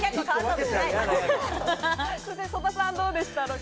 曽田さん、どうでした？